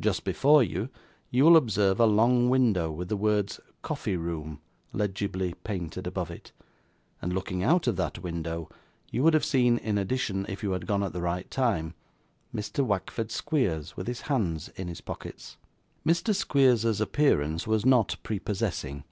Just before you, you will observe a long window with the words 'coffee room' legibly painted above it; and looking out of that window, you would have seen in addition, if you had gone at the right time, Mr. Wackford Squeers with his hands in his pockets. Mr. Squeers's appearance was not prepossessing.